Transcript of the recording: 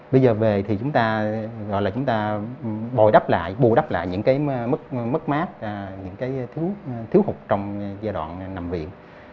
bây giờ về thì chúng ta bù đắp lại những mất mát những thiếu hụt trong giai đoạn nằm viện